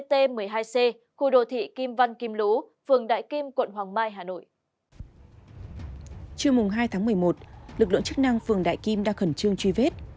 trưa mùng hai tháng một mươi một lực lượng chức năng phường đại kim đang khẩn trương truy vết